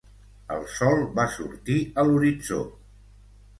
El sol va sortir a l'horitzó.